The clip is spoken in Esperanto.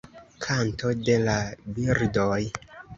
Kanto de la birdoj.